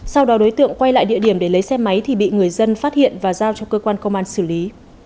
sau đó đối tượng quay lại địa điểm để lấy xe máy thì bị người dân phát hiện và giao cho cơ quan công an xử lý